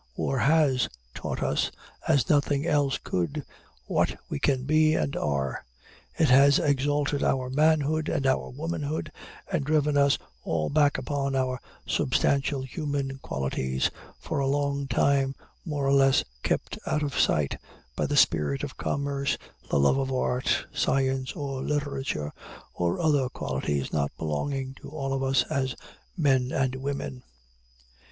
War has taught us, as nothing else could, what we can be and are. It has exalted our manhood and our womanhood, and driven us all back upon our substantial human qualities, for a long time more or less kept out of sight by the spirit of commerce, the love of art, science, or literature, or other qualities not belonging to all of us as men and women.